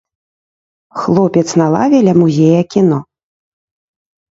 Хлопец на лаве ля музея кіно.